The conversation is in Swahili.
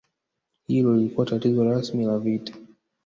Hilo lilikuwa tangazo rasmi la vita